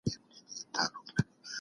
څنګه خلګ خپل بنسټیز حقونه ترلاسه کوي؟